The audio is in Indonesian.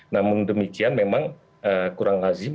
namun demikian memang kurang lazim